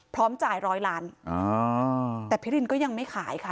พร้อมจ่ายร้อยล้านอ่าแต่พิรินก็ยังไม่ขายค่ะ